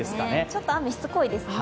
ちょっと雨、しつこいですね。